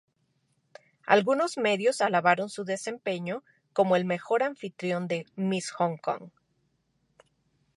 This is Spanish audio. Algunos medios alabaron su desempeño como "el mejor anfitrión de Miss Hong Kong".